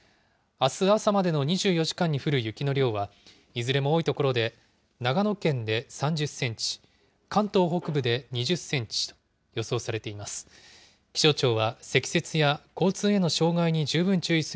あす朝までの２４時間に降る雪の量は、いずれも多い所で、長野県で３０センチ、関東北部で２０センチ予想されています。